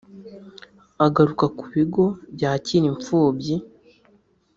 Agaruka ku bigo byakira imfubyi